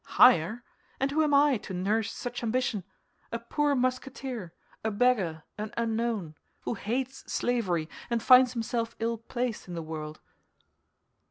"Higher? And who am I, to nourish such ambition? A poor Musketeer, a beggar, an unknown—who hates slavery, and finds himself ill placed in the world."